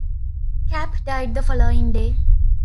Kapp died the following day.